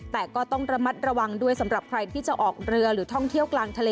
แต่ก็ต้องระมัดระวังด้วยสำหรับใครที่จะออกเรือหรือท่องเที่ยวกลางทะเล